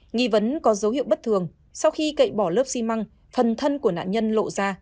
nghi vấn có dấu hiệu bất thường sau khi cậy bỏ lớp xi măng phần thân của nạn nhân lộ ra